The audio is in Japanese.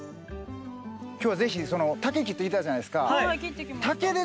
今日はぜひ竹切ってきたじゃないですか。